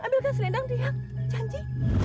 ambilkan selendang tiang janji